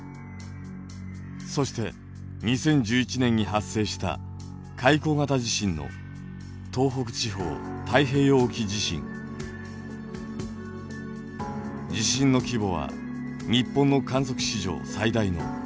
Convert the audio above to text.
そして２０１１年に発生した海溝型地震の地震の規模は日本の観測史上最大のマグニチュード９．０。